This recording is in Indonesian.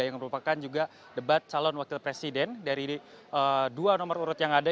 yang merupakan juga debat calon wakil presiden dari dua nomor urut yang ada